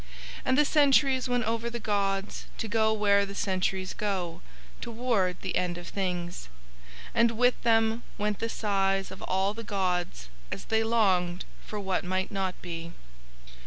And the centuries went over the gods to go where the centuries go, toward the End of Things, and with Them went the sighs of all the gods as They longed for what might not be.